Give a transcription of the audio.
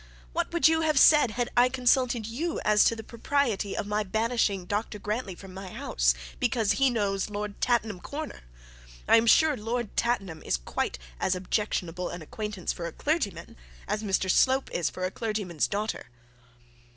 What would you have said, had I consulted you as to the propriety of banishing Dr Grantly from my house because he knows Lord Tattenham Corner? I am sure Lord Tattenham is quite as objectionable an acquaintance for a clergyman as Mr Slope is for a clergyman's daughter.'